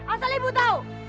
asal ibu tahu